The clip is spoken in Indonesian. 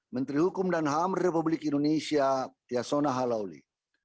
menteri hukum dan ham republik indonesia yasona halauli